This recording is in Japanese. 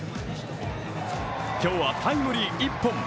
今日はタイムリー１本。